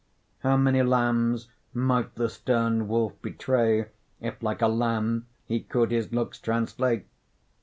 How many lambs might the stern wolf betray, If like a lamb he could his looks translate!